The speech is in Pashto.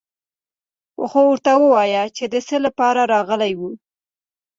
خو ورته ووايه چې د څه له پاره راغلي يو.